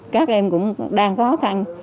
các em cũng đang có khó khăn